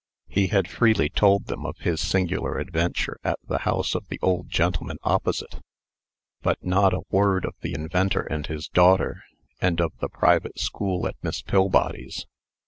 He had freely told them of his singular adventure at the house of the old gentleman opposite; but not a word of the inventor and his daughter, and of the private school at Miss Pillbody's.